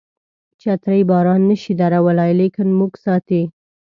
چترۍ باران نشي ودرولای لیکن موږ ساتي.